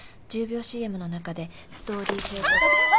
１０秒ＣＭの中でストーリー性と。